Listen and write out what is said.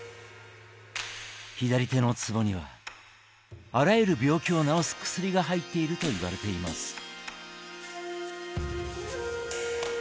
左手のつぼにはあらゆる病気を治す薬が入っているといわれています。